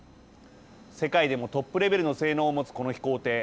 世界でもトップレベルの性能を持つこの飛行艇。